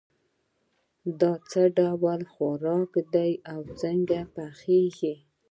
دا څه ډول خوراک ده او څنګه پخیږي